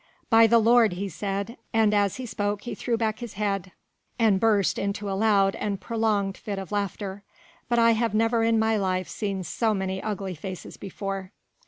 "By the Lord," he said, and as he spoke he threw back his head and burst into a loud and prolonged fit of laughter, "but I have never in my life seen so many ugly faces before."